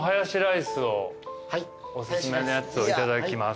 おすすめのやつをいただきます。